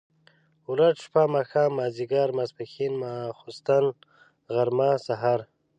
ورځ، شپه ،ماښام، ماځيګر، ماسپښن ، ماخوستن ، غرمه ،سهار،